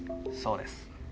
そうです。